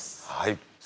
はい。